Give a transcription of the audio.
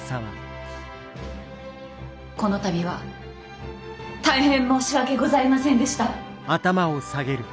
この度は大変申し訳ございませんでした。